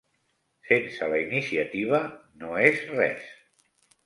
Sense la Iniciativa, no és res.